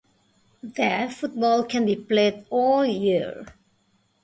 There football can be played all year.